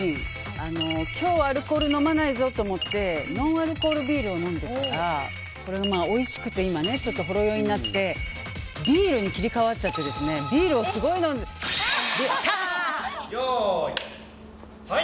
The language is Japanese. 今日アルコール飲まないぞと思ってノンアルコールビールを飲んでいたら、おいしくて今ね、ちょっとほろ酔いになってビールに切り替わっちゃってビールをすごい飲んじゃって。